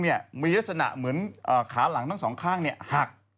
มีลักษณะเหมือนขาหลังทั้งสองข้างหัก